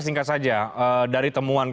singkat saja dari temuan